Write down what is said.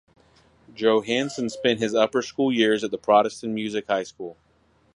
Johannsen spent his upper school years at the Protestant Music High School.